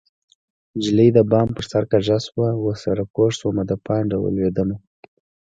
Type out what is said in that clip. نجلۍ د بام په سر کږه شوه ورسره کوږ شومه د پانډه ولوېدمه